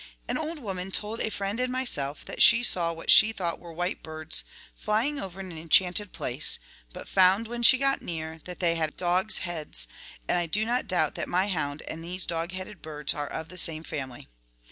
An old woman told a friend and myself that she saw what she thought were white birds, flying over an en chanted place, but found, when she got near, that they had dog's heads; and I do not doubt that my hound and these dog headed birds are of the same family.